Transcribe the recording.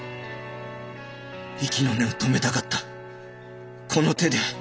息の根を止めたかったこの手で！